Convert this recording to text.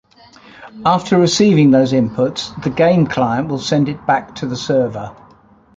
After receiving those inputs, the game client will send it back to the server.